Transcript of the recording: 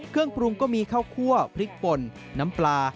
เครื่องปรุงก็มีข้าวคั่วพริกป่นน้ำปลา